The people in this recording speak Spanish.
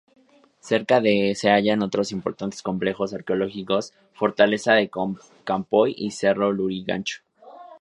Cerca se hallan otros importantes complejos arqueológicos: Fortaleza de Campoy y Cerro Lurigancho.